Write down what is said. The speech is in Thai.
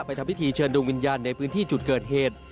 ทำพิธีเชิญดวงวิญญาณในพื้นที่จุดเกิดเหตุ